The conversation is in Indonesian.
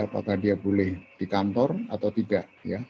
apakah dia boleh di kantor atau tidak